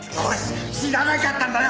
知らなかったんだよ！